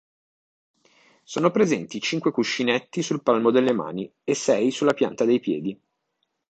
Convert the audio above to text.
Sono presenti cinque cuscinetti sul palmo delle mani e sei sulla pianta dei piedi.